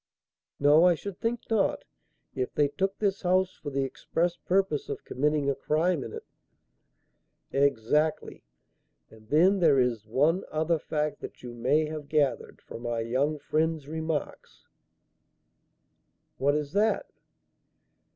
"No, I should think not, if they took this house for the express purpose of committing a crime in it." "Exactly. And then there is one other fact that you may have gathered from our young friend's remarks." "What is that?"